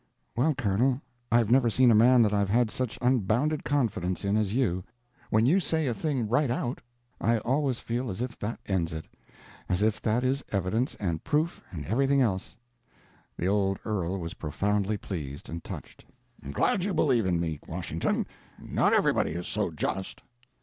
"Well, Colonel, I've never seen a man that I've had such unbounded confidence in as you. When you say a thing right out, I always feel as if that ends it; as if that is evidence, and proof, and everything else." The old earl was profoundly pleased and touched. "I'm glad you believe in me, Washington; not everybody is so just."